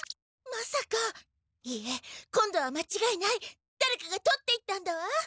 まさかいえ今度はまちがいないだれかがとっていったんだわ！